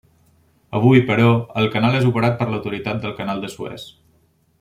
Avui, però, el canal és operat per l'Autoritat del Canal de Suez.